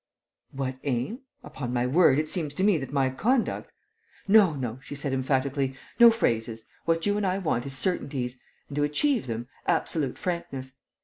"What aim? Upon my word, it seems to me that my conduct...." "No, no," she said, emphatically, "no phrases! What you and I want is certainties; and, to achieve them, absolute frankness.